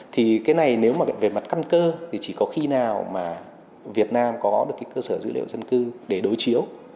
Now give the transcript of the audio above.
thì cái này nếu mà về mặt căn cơ thì chỉ có khi nào mà việt nam có được cái cơ sở dữ liệu dân cư để đối chiếu